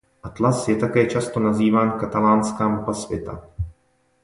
Atlas je také často nazýván katalánská mapa světa.